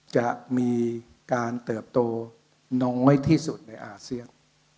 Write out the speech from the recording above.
จะมีการเติบโตน้อยที่สุดในอาเซียน